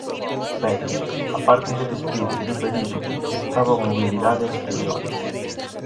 Ben, á parte do despido en diferido, estaba a mobilidade exterior.